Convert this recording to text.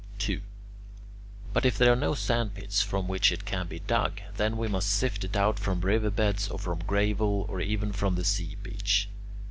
2. But if there are no sandpits from which it can be dug, then we must sift it out from river beds or from gravel or even from the sea beach.